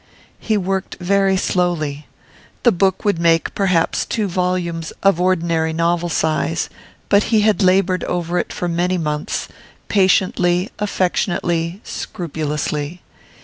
He worked very slowly. The book would make perhaps two volumes of ordinary novel size, but he had laboured over it for many months, patiently, affectionately, scrupulously.